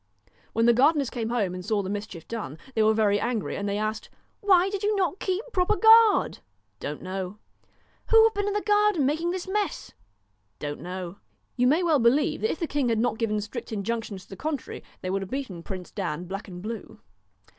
When the gardeners came home and saw the mis chief done, they were very angry, and they asked * Why did you not keep proper guard ?'' Don't know.' 1 Who have been in the garden, making this mess ?'' Don't know.' You may well believe, that if the king had not given strict injunctions to the contrary, they would have beaten Prince Dan black and blue.